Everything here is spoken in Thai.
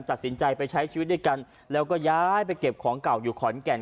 ตัดสินใจไปใช้ชีวิตด้วยกันแล้วก็ย้ายไปเก็บของเก่าอยู่ขอนแก่น